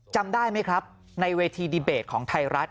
จำได้ไหมครับในเวทีดีเบตของไทยรัฐ